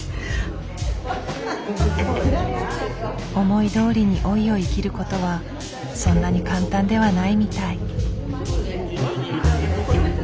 思いどおりに老いを生きる事はそんなに簡単ではないみたい。